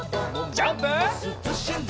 ジャンプ！